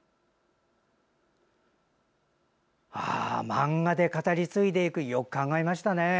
漫画で語り継いでいくよく考えましたね。